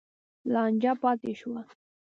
لانجه پاتې شوه.